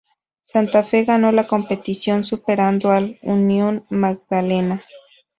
Santa Fe ganó la competición superando al Unión Magdalena.